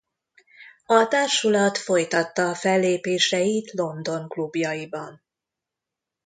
A társulat folytatta a fellépéseit London klubjaiban.